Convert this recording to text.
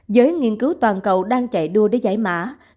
giới nghiên cứu toàn cầu đang chạy đua để giải mã